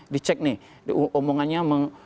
dicek nih omongannya